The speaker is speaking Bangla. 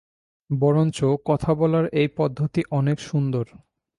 বরঞ্চ কথা বলার এই পদ্ধতি অনেক সুন্দর।